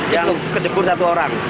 yang kejebur satu orang